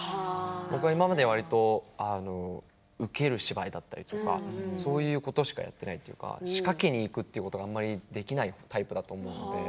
僕は今まで、わりと受ける芝居だったりとかそういうことしかやっていないというか仕掛けにいくということがあまりできないタイプだったので。